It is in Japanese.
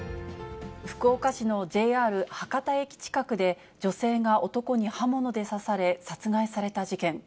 福岡市のＪＲ博多駅近くで、女性が男に刃物で刺され殺害された事件。